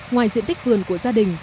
ngoài diện tích vườn của gia đình